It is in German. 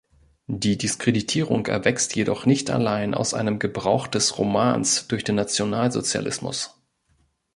Die Diskreditierung erwächst jedoch nicht allein aus einem Gebrauch des Romans durch den Nationalsozialismus.